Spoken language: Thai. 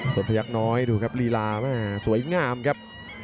ส่วนพยักษ์น้อยดูครับลีลาแม่สวยงามครับ